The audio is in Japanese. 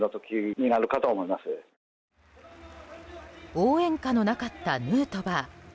応援歌のなかったヌートバー。